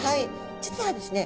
実はですね